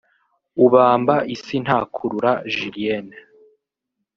ubamba isi ntakurura Julienne